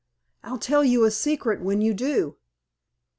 "I'll tell you a secret when you do."